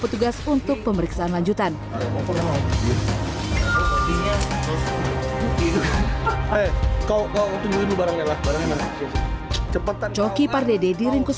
petugas untuk pemeriksaan lanjutan hai kau kau tungguin barangnya coki pardede diringkus